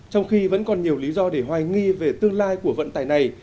trong khi vẫn còn nhiều lý do để hoài nghi về tương lai của vận tải này